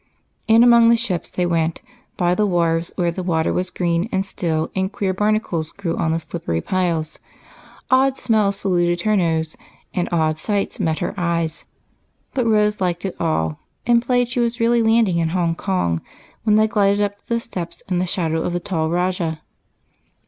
In among the ships they went, by the wharves where the water was green and still, and queer bar nacles grew on the slippery piles. Odd smells saluted her nose, and odd sights met her eyes, but Rose liked it all, and played she was really landing in Hong Kong when they glided up to the steps in the shadow of the tall "Rajah."